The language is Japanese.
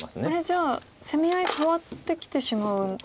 じゃあ攻め合い変わってきてしまうんですか？